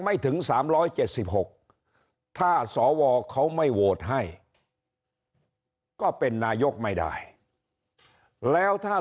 ถึง๓๗๖ถ้าสวเขาไม่โหวตให้ก็เป็นนายกไม่ได้แล้วถ้า